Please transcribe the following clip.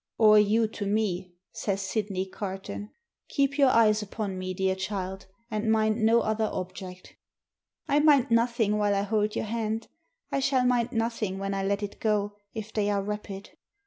"Or you to me," says Sydney Carton. "Keep your eyes upon me, dear child, and mind no other object." " I mind nothing while I hold your hand. I shall mind nothing when I let it go, if they are rapid."